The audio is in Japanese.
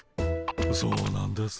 そうなんです。